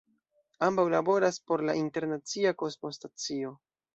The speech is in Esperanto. Ambaŭ laboras por la Internacia Kosmostacio.